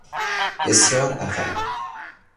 بسیار عقب